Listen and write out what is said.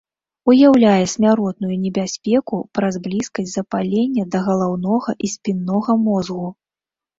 Уяўляе смяротную небяспеку праз блізкасць запалення да галаўнога і спіннога мозгу.